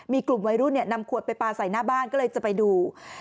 มีกลุ่มวัยรุ่นนำขวดไปปลาใส่หน้าบ้านก็เลยจะไปดู